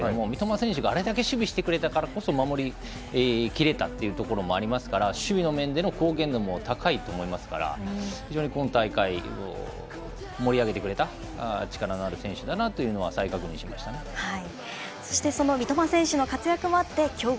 選手があれだけ守備してくれたからこそ守り切れたというところもありますから守備の面での貢献度も高いと思いますから非常に今大会盛り上げてくれた力のある選手だなというふうにそしてその三笘選手の活躍もあって強豪